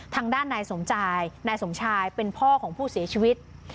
ทางด้านนายสมชายนายสมชายเป็นพ่อของผู้เสียชีวิต